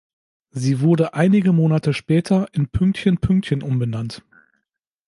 Sie wurde einige Monate später in Pünktchen Pünktchen umbenannt.